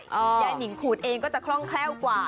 ยายนิงขูดเองก็จะคล่องแคล่วกว่า